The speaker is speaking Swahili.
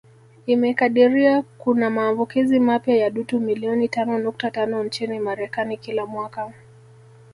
Imekadiria kuna maambukizi mapya ya dutu milioni tano nukta tano nchini Marekani kila mwaka